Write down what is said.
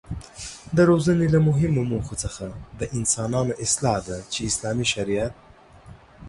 د روزنې له مهمو موخو څخه د انسانانو اصلاح ده چې اسلامي شريعت